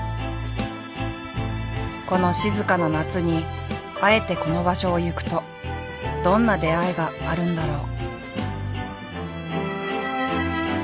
この静かな夏にあえてこの場所を行くとどんな出会いがあるんだろう。